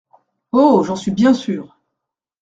Oh ! j'en suis bien sûr.